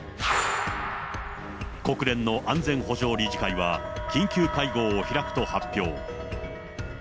国連の安全保障理事会は、緊急会合を開くと発表。